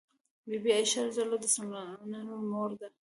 بي بي عائشه رض د مسلمانانو مور ده